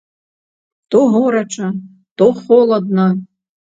То горача, то холадна.